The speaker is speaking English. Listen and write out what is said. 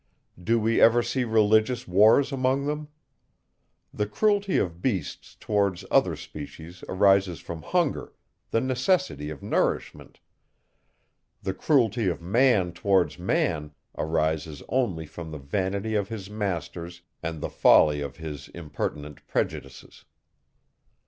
Do we ever see religious wars among them? The cruelty of beasts towards other species arises from hunger, the necessity of nourishment; the cruelty of man towards man arises only from the vanity of his masters and the folly of his impertinent prejudices.